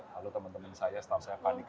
lalu teman teman saya staff saya panik